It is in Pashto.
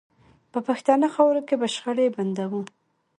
په پښتنه خاوره کې به شخړې بندوو